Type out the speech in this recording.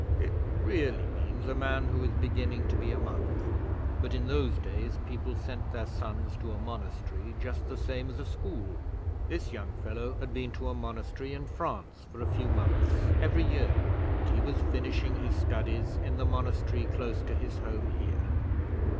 'It really means a man who is beginning to be a monk, but in those days people sent their sons to a monastery just the same as a school. This young fellow had been to a monastery in France for a few months every year, and he was finishing his studies in the monastery close to his home here.